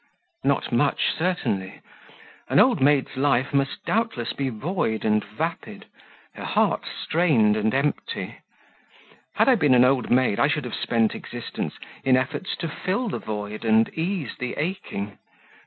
"Not much, certainly. An old maid's life must doubtless be void and vapid her heart strained and empty. Had I been an old maid I should have spent existence in efforts to fill the void and ease the aching.